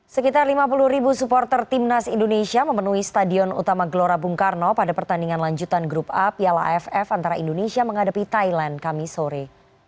sekitar lima puluh ribu supporter timnas indonesia memenuhi stadion utama gelora bung karno pada pertandingan lanjutan grup a piala aff antara indonesia menghadapi thailand kami sore